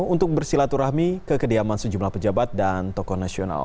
untuk bersilaturahmi ke kediaman sejumlah pejabat dan tokoh nasional